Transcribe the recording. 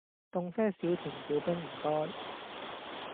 凍啡少甜少冰唔該